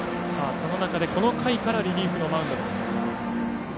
その中で、この回からリリーフのマウンドです。